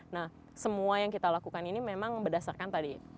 nah semua yang kita lakukan ini memang berdasarkan tadi